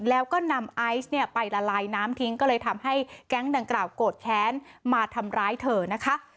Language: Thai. แล้วก็นำไอซ์เนี่ยไปละลายน้ำทิ้งก็เลยทำให้แก๊งดังกล่าวโกรธแค้นมาทำร้ายเธอนะคะ